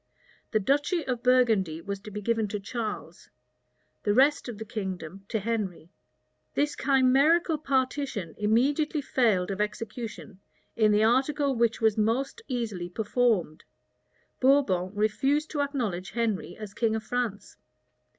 The duchy of Burgundy was to be given to Charles; the rest of the kingdom to Henry. This chimerical partition immediately failed of execution in the article which was most easily performed: Bourbon refused to acknowledge Henry as king of France.